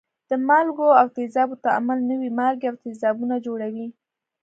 د مالګو او تیزابو تعامل نوي مالګې او تیزابونه جوړوي.